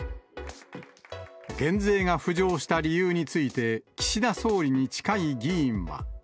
減税が浮上した理由について、岸田総理に近い議員は。